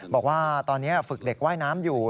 บอกว่าตอนนี้ฝึกเด็กว่ายน้ำอยู่